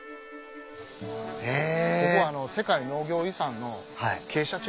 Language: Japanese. へぇ。